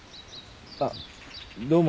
あっどうも。